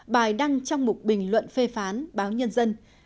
bài đăng trong một bình luận phê phán báo nhân dân